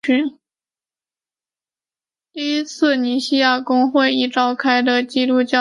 第一次尼西亚公会议召开的基督教大公会议。